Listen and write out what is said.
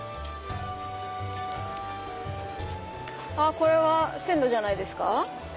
これは線路じゃないですか。